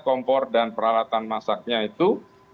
kompor dan peralatan masaknya itu